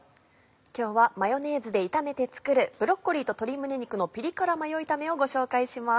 今日はマヨネーズで炒めて作る「ブロッコリーと鶏胸肉のピリ辛マヨ炒め」をご紹介します。